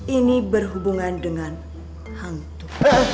ini berhubungan dengan hantu